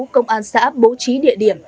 công an xã bố trí địa điểm